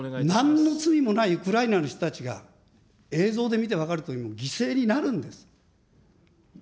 なんの罪もないウクライナの人たちが、映像で見て分かるとおり、犠牲になるんです。